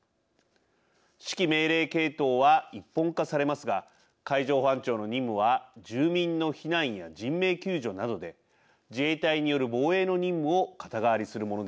指揮命令系統は一本化されますが海上保安庁の任務は住民の避難や人命救助などで自衛隊による防衛の任務を肩代わりするものではありません。